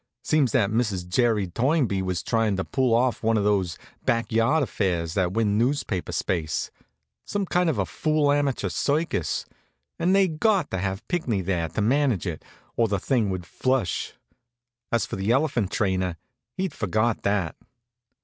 Seems that Mrs. Jerry Toynbee was tryin' to pull off one of those back yard affairs that win newspaper space some kind of a fool amateur circus and they'd got to have Pinckney there to manage it or the thing would fush. As for the elephant trainer, he'd forgot that.